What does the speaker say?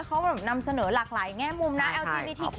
ใช่ค่ะ